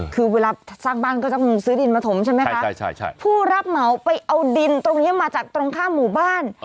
คือเวลาสร้างบ้านก็ต้องซื้อดินมาถมใช่ไหมคะใช่ใช่ผู้รับเหมาไปเอาดินตรงนี้มาจากตรงข้ามหมู่บ้าน